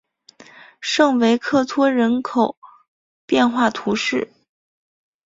圣维克托人口变化图示